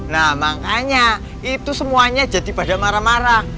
nah makanya itu semuanya jadi pada marah marah